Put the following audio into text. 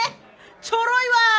ちょろいわ。